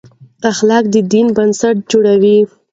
اخلاق د دین بنسټ جوړوي.